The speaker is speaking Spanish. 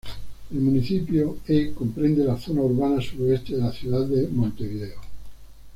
El municipio E comprende la zona urbana sureste de la ciudad de Montevideo.